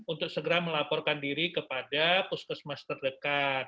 untuk segera melaporkan diri kepada puskesmas terdekat